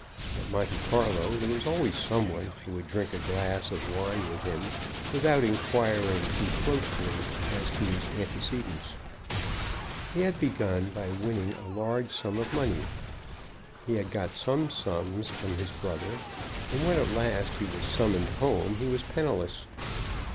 At Monte Carlo there was always some one who would drink a glass of wine with him without inquiring too closely as to his antecedents. He had begun by winning a large sum of money. He had got some sums from his brother, and when at last he was summoned home he was penniless.